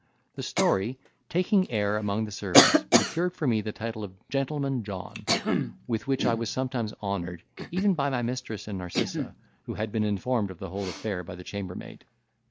The story, taking air among the servants, procured for me the title of Gentleman John, with which I was sometimes honoured, even by my mistress and Narcissa, who had been informed of the whole affair by the chambermaid.